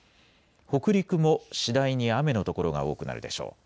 北陸も次第に雨の所が多くなるでしょう。